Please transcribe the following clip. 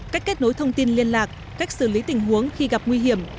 cách kết nối thông tin liên lạc cách xử lý tình huống khi gặp nguy hiểm